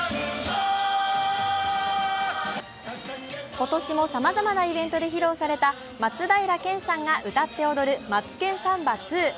今年もさまざまなイベントで披露された松平健さんが歌って踊る「マツケンサンバⅡ」。